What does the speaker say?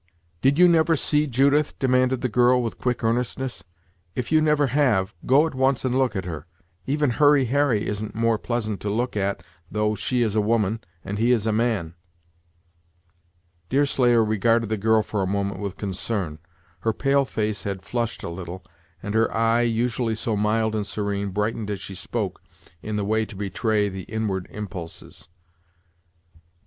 "Did you never see Judith?" demanded the girl, with quick earnestness; "if you never have, go at once and look at her. Even Hurry Harry isn't more pleasant to look at though she is a woman, and he is a man." Deerslayer regarded the girl for a moment with concern. Her pale face had flushed a little, and her eye, usually so mild and serene, brightened as she spoke, in the way to betray the inward impulses.